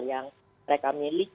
yang mereka miliki